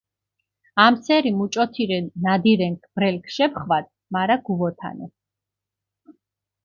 ამსერი მუჭოთირენ ნადირენქ ბრელქ შეფხვადჷ, მარა გუვოთანე.